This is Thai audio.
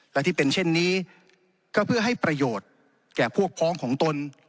และที่เป็นเช่นนี้ก็เพื่อให้ประโยชน์แก่พวกพ้องของตน